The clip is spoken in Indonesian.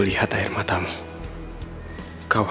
setiap ada masalah